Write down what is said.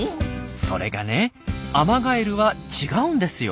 それがねアマガエルは違うんですよ。